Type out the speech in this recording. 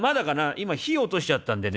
「今火落としちゃったんでね